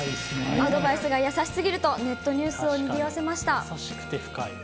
アドバイスが優しすぎるとネットニュースをにぎわせました。